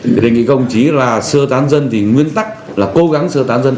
thì đề nghị công chí là sơ tán dân thì nguyên tắc là cố gắng sơ tán dân